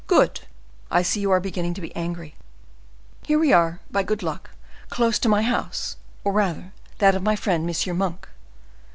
Good! I see you are beginning to be angry. Here we are, by good luck, close to my house, or rather that of my friend, M. Monk."